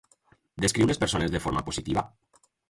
Descriu les persones de forma positiva?